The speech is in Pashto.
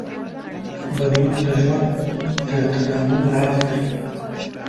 بدلون د ژوند د تداوم راز دی.